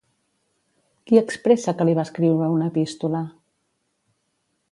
Qui expressa que li va escriure una epístola?